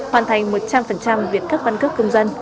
hoàn thành một trăm linh việc cấp căn cước công dân